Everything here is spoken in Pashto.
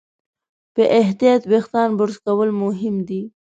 په احتیاط وېښتيان برس کول مهم دي.